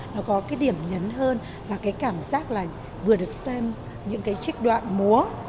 nó có cái điểm nhấn hơn và cái cảm giác là vừa được xem những cái trích đoạn múa